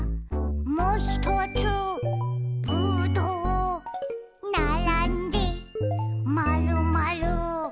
「もひとつぶどう」「ならんでまるまる」